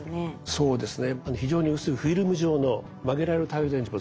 そうですね。